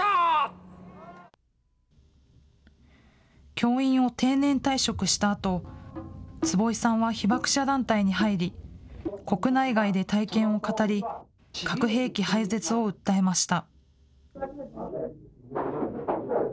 教員を定年退職したあと、坪井さんは被爆者団体に入り、国内外で体験を語り、核兵器廃絶を訴えました。